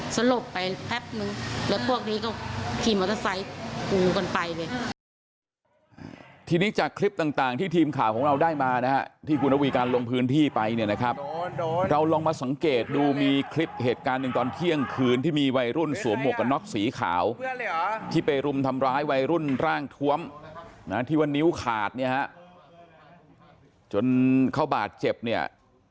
สลบไปแป๊บนึงแล้วพวกนี้ก็ทีมมอเตอร์ไซต์กูกันไปเลย